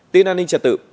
tin an ninh trật tự